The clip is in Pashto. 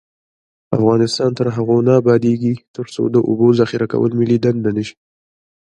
افغانستان تر هغو نه ابادیږي، ترڅو د اوبو ذخیره کول ملي دنده نشي.